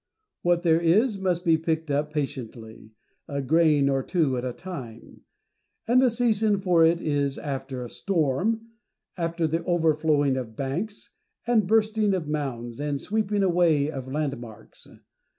What there is must be picked up patiently, a grain or two at a time ; and the season for it is after a storm, after the overflowing of banks, and bursting of mounds, and sweeping away of landmarks.